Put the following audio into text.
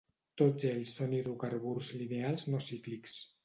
Tots ells són hidrocarburs lineals no cíclics.